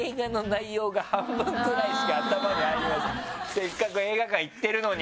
せっかく映画館行ってるのに。